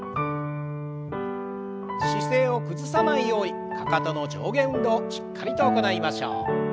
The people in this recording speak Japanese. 姿勢を崩さないようにかかとの上下運動しっかりと行いましょう。